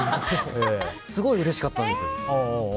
すごいうれしかったんです。